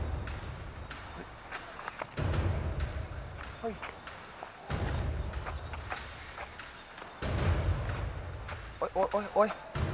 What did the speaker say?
โอ๊ยโอ๊ยโอ๊ย